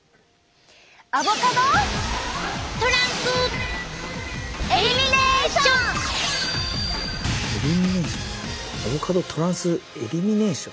アボカドトランスエリミネーション？